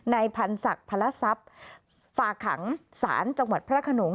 พันศักดิ์พระทรัพย์ฝากขังศาลจังหวัดพระขนง